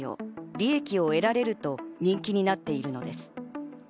利益を得られると人気になっているのです。